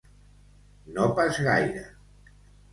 No pas gaire.